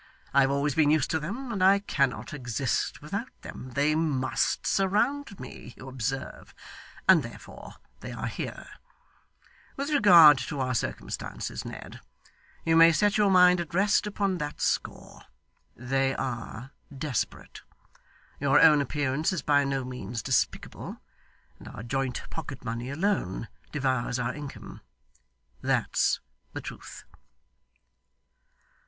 I have always been used to them, and I cannot exist without them. They must surround me, you observe, and therefore they are here. With regard to our circumstances, Ned, you may set your mind at rest upon that score. They are desperate. Your own appearance is by no means despicable, and our joint pocket money alone devours our income. That's the truth.